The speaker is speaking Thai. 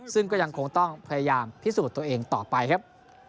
ซึ่งก็ยังคงต้องพยายามพิสูจน์ตัวเองต่อไปครับ